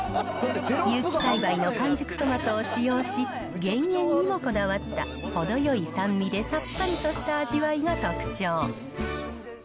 有機栽培の完熟トマトを使用し、減塩にもこだわった程よい酸味でさっぱりとした味わいが特徴。